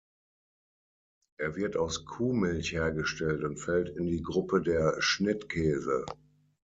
Er wird aus Kuhmilch hergestellt und fällt in die Gruppe der Schnittkäse.